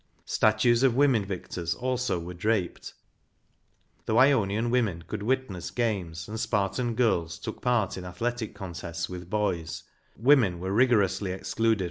7 Statues of women victors also were draped. Though Ionian women could witness games,1 and Spartan girls took part in athletic contests with boys,2 women were rigorously excluded 'Ph.